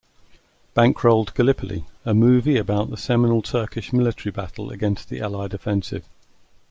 Bankrolled "Gallipoli", a movie about the seminal Turkish military battle against the Allied offensive.